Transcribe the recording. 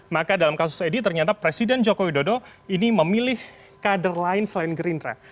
maka dalam kasus edi ternyata presiden joko widodo ini memilih kader lain selain gerindra